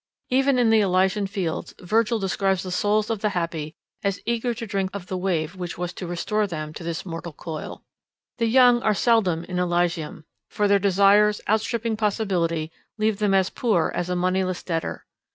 Even in the Elysian fields, Virgil describes the souls of the happy as eager to drink of the wave which was to restore them to this mortal coil. The young are seldom in Elysium, for their desires, outstripping possibility, leave them as poor as a moneyless debtor.